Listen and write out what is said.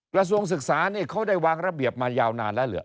กระทรวงศึกษานี่เขาได้วางระเบียบมายาวนานแล้วเหรอ